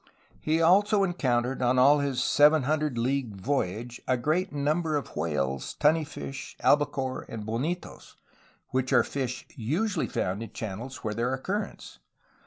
He also encountered on all his seven hundred league voyage a great number of whales, tunny fish, albicore, and honitos, which are fish usually found in channels where there are currents.